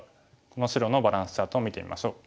この白のバランスチャートを見てみましょう。